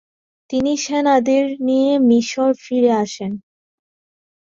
তিনি সেনাদের নিয়ে মিশর ফিরে আসেন।